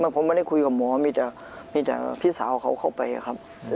ผมไม่ได้คุยกับหมอมีแต่มีแต่พี่สาวเขาเข้าไปครับ